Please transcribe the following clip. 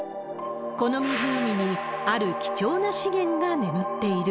この湖に、ある貴重な資源が眠っている。